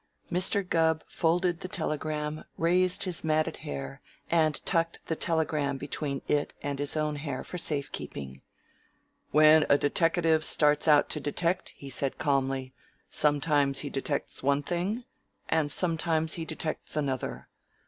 Mr. Gubb folded the telegram, raised his matted hair, and tucked the telegram between it and his own hair for safe keeping. "When a deteckative starts out to detect," he said calmly, "sometimes he detects one thing and sometimes he detects another.